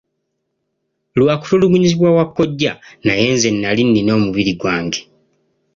Lwa kutulugunyizibwa wa kkojja naye nze nnali nnina omubiri gwange.